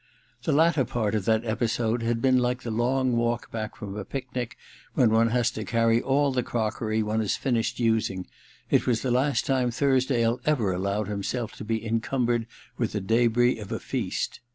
The latter part of that episode had been like the long walk back from a picnic, when one has to carry all the crockery one has finished using : it was the last time Thursdale ever allowed himself to be encumbered with the debris of a feast.